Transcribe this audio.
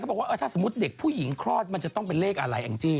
บอกว่าถ้าสมมุติเด็กผู้หญิงคลอดมันจะต้องเป็นเลขอะไรแองจี้